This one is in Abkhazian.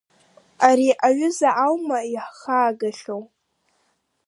Ари аҩыза аума иаҳхаагахьоу?!